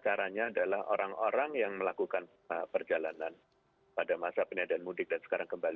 caranya adalah orang orang yang melakukan perjalanan pada masa penyediaan mudik dan sekarang kembali